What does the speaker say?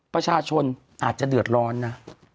ประชาชนอาจจะเดือดร้อนนะ